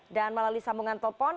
dan melalui sambungan telepon